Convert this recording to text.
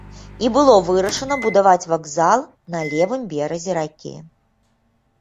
І было вырашана будаваць вакзал на левым беразе ракі.